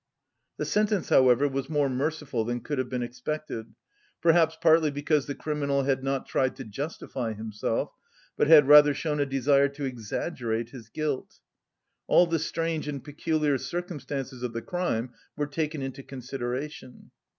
The sentence however was more merciful than could have been expected, perhaps partly because the criminal had not tried to justify himself, but had rather shown a desire to exaggerate his guilt. All the strange and peculiar circumstances of the crime were taken into consideration.